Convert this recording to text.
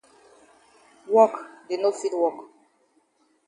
Wok dey no fit wok.